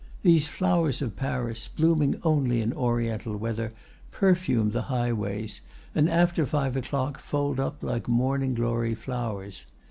These flowers of Paris, blooming only in Oriental weather, perfume the highways; and after five o'clock fold up like morning glory flowers.